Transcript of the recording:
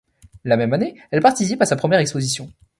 La même année, elle participe à sa première exposition.